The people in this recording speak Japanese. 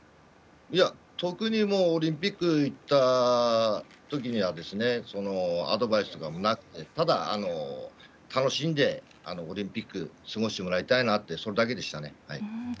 特にオリンピックいったときにはアドバイスとかもなくてただ、楽しんでオリンピック過ごしてもらいたいなってそれだけでしたね。